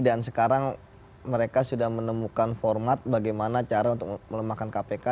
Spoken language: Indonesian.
dan sekarang mereka sudah menemukan format bagaimana cara untuk melemahkan kpk